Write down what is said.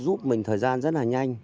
giúp mình thời gian rất là nhanh